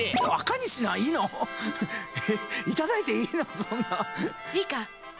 いいか？